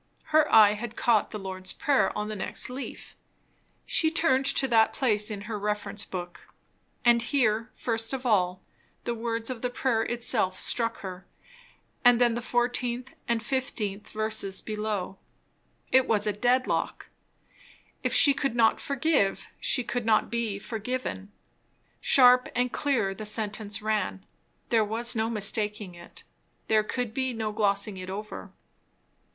Her eye had caught the Lord's prayer on the next leaf. She turned to that place in her reference book. And here, first of all, the words of the prayer itself struck her, and then the 14th and 15th verses below. It was a dead lock! If she could not forgive, she could not be forgiven; sharp and clear the sentence ran; there was no mistaking it, there could be no glossing it over.